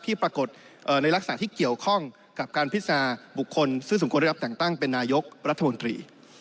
ปรากฏในลักษณะที่เกี่ยวข้องกับการพิจารณาบุคคลซึ่งสมควรได้รับแต่งตั้งเป็นนายกรัฐมนตรี